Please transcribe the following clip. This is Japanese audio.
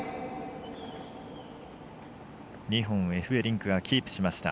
２本、エフベリンクがキープしました。